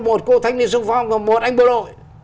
một cô thanh niên sung phong và một anh bộ đội